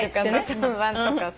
３番とかさ。